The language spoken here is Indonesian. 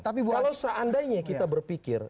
kalau seandainya kita berpikir